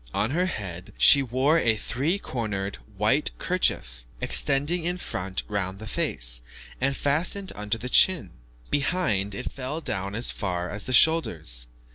On her head she wore a three cornered white kerchief, extending in front round the face, and fastened under the chin; behind, it fell down as far as the shoulders.